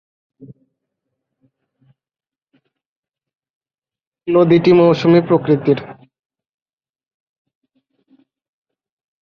নদীটি মৌসুমি প্রকৃতির।